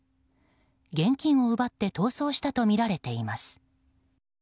現金を奪って逃走したとみられています。